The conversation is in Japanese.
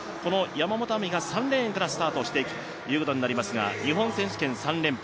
山本亜美が３レーンからスタートしていくことになりますが日本選手権３連覇。